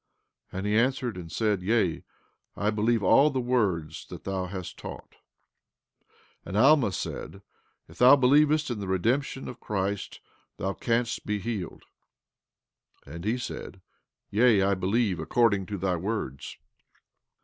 15:7 And he answered and said: Yea, I believe all the words that thou hast taught. 15:8 And Alma said: If thou believest in the redemption of Christ thou canst be healed. 15:9 And he said: Yea, I believe according to thy words.